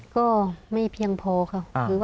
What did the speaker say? ก็ไม่เพียงพอค่ะ